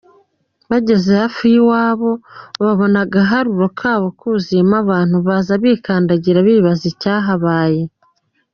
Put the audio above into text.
Bageze hafi y'iwabo babona agaharuro kabo kuzuyeho abantu; baza bikandagira, bibaza icyahabaye.